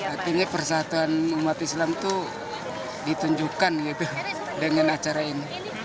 artinya persatuan umat islam itu ditunjukkan gitu dengan acara ini